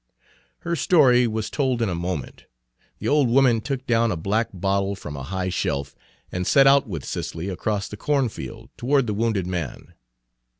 Her story was told in a moment. The old woman took down a black bottle from a high shelf, and set out with Cicely across the cornfield, toward the wounded man.